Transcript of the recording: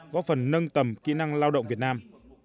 góp phần nâng tầm kỹ năng lao động việt nam